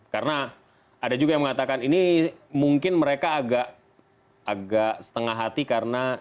karena ada juga yang mengatakan ini mungkin mereka agak setengah hati karena